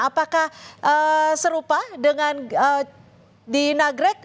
apakah serupa dengan di nagrek